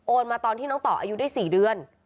มาตอนที่น้องต่ออายุได้๔เดือน